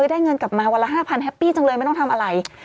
ได้เงินกลับมาวันละ๕๐๐แฮปปี้จังเลยไม่ต้องทำอะไร